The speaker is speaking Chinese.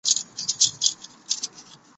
常生长于有扰动的木屑或泥土地上。